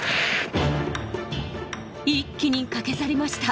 一気に駆け去りました。